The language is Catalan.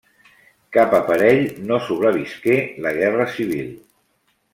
Cap aparell no sobrevisqué la guerra civil.